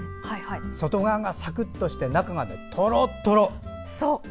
外側がサクッとして中がとろとろ。